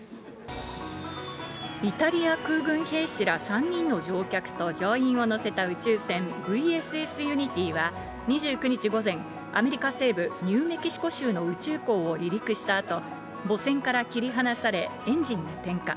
イタリア空軍兵士ら３人の乗客と乗員を乗せた宇宙船、ＶＳＳユニティは、２９日午前、アメリカ西部ニューメキシコ州の宇宙港を離陸したあと、母船から切り離されエンジンに点火。